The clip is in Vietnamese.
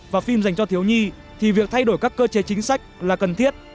và phim dành cho thiếu nhi thì việc thay đổi các cơ chế chính sách là cần thiết